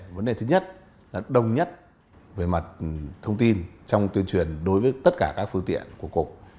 vấn đề thứ nhất là đồng nhất về mặt thông tin trong tuyên truyền đối với tất cả các phương tiện của cục